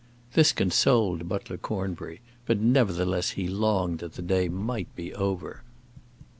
This consoled Butler Cornbury, but nevertheless he longed that the day might be over.